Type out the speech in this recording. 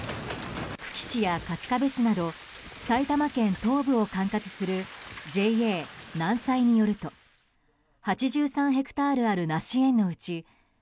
久喜市や春日部市など埼玉県東部を管轄するＪＡ南彩によると８３ヘクタールあるナシ園のうち２６